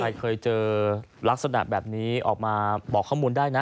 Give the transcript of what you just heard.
ใครเคยเจอลักษณะแบบนี้ออกมาบอกข้อมูลได้นะ